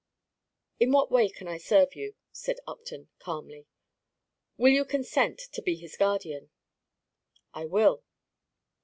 "In what way can I serve you?" said Upton, calmly. "Will you consent to be his guardian?" "I will."